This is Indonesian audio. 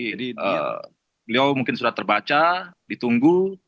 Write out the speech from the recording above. jadi beliau mungkin sudah terbaca ditunggu